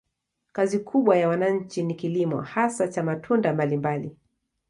Kazi kubwa ya wananchi ni kilimo, hasa cha matunda mbalimbali.